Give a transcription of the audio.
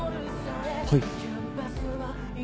はい。